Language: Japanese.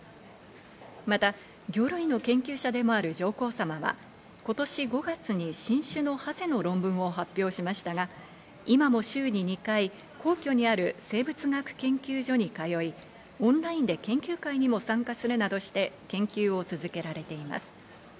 また魚類の研究者でもある上皇さまは今年５月に新種のハゼの論文を発表しましたが、今も週に２回、皇居にある生物学研究所に通い、オンラインで研究会にも参加するなどして研究を続けられています。